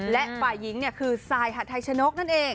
และฝ่ายหญิงคือซายหัดไทยชนกนั่นเอง